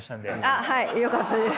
あっはいよかったです。